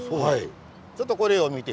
ちょっとこれを見て頂きます。